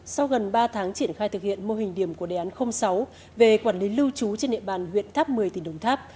sau gần ba tháng triển khai thực hiện mô hình điểm của đề án sáu về quản lý lưu trú trên địa bàn huyện tháp một mươi